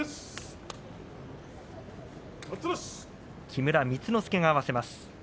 木村光之助が合わせます。